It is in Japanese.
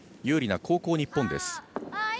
有利な後攻、日本です。